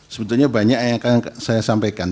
sebetulnya banyak yang akan saya sampaikan